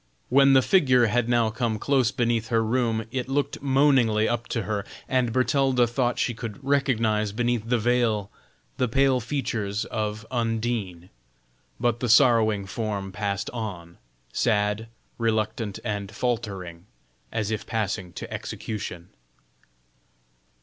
When the figure had now come close beneath her room, it looked moaningly up to her, and Bertalda thought she could recognize beneath the veil the pale features of Undine. But the sorrowing form passed on, sad, reluctant, and faltering, as if passing to execution.